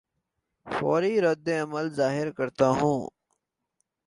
فوری رد عمل ظاہر کرتا ہوں